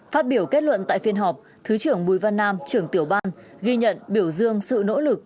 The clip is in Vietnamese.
phát biểu kết luận tại phiên họp thứ trưởng bùi văn nam trưởng tiểu ban ghi nhận biểu dương sự nỗ lực